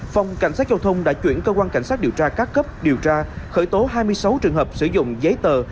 phòng cảnh sát giao thông đã chuyển cơ quan cảnh sát điều tra các cấp điều tra khởi tố hai mươi sáu trường hợp sử dụng giấy tờ